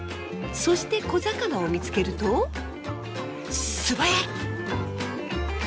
そして小魚を見つけると素早い！